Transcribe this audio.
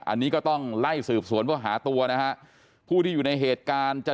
อันนี้ก็ต้องไล่สืบสวนเพื่อหาตัวนะฮะผู้ที่อยู่ในเหตุการณ์จะ